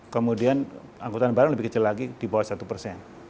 kemudian angkutan barang lebih kecil lagi di bawah satu persen